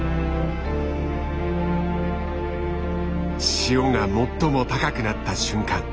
潮が最も高くなった瞬間